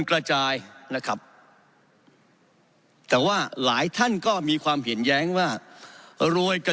กระจายนะครับแต่ว่าหลายท่านก็มีความเห็นแย้งว่ารวยกัน